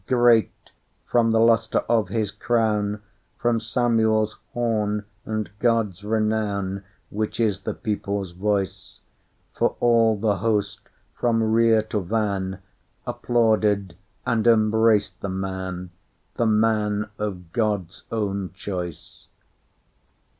Great—from the lustre of his crown, From Samuel's horn, and God's renown, Which is the people's voice; For all the host, from rear to van, Applauded and embraced the man—The man of God's own choice.